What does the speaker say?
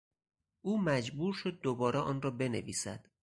او مجبور شد دوباره آن را بنویسد.